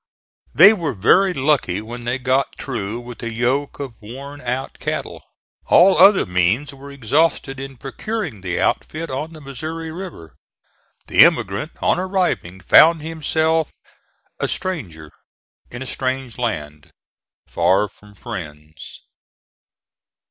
They were very lucky when they got through with a yoke of worn out cattle. All other means were exhausted in procuring the outfit on the Missouri River. The immigrant, on arriving, found himself a stranger, in a strange land, far from friends.